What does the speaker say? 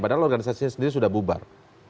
padahal organisasinya sendiri sudah bubar